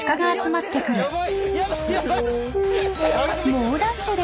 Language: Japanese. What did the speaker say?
［猛ダッシュで］